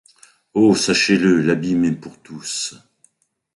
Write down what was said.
Oh! sachez-le, l’abîme est pour tous.